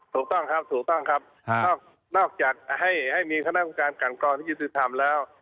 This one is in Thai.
ถูกต้องครับถูกต้องครับนอกจากให้มีคณะกรรมการกันกรองที่ยุติธรรมแล้ว